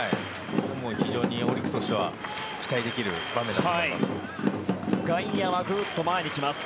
非常にオリックスとしては期待できる場面だと思います。